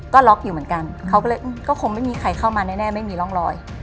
ก็ล็อกอยู่เหมือนกันเขาก็เลยก็คงไม่มีใครเข้ามาแน่ไม่มีร่องรอย